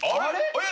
えっ！